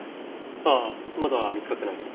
ああまだ見つかってないけど。